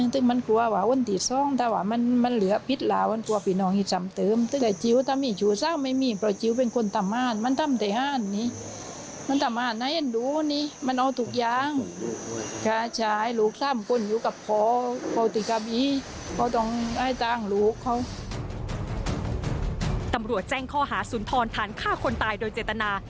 ตำรวจแจ้งข้อหาสุนทรฐานฆ่าคนตายโดยเจตนา